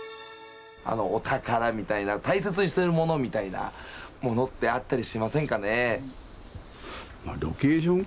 あのお宝みたいな大切にしているものみたいなものってあったりしませんかね？